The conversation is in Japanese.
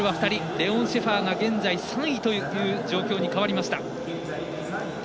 レオン・シェファーが現在３位という状況に変わりました。